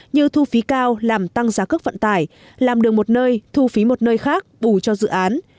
như thu phí cao làm tăng giá cước vận tải làm đường một nơi thu phí một nơi khác bù cho dự án